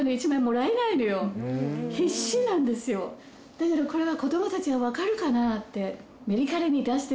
だけどこれは。